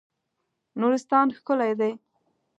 نورستان ښکلی دی.